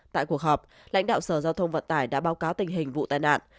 tại cuộc họp lãnh đạo sở giao thông vận tải đã báo cáo tình hình vụ tai nạn